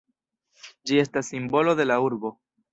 Ĝi estas simbolo de la urbo.